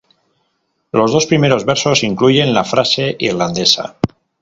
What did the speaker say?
Los dos primeros versos incluyen la frase irlandesa.